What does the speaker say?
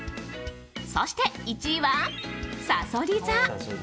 そして１位は、さそり座！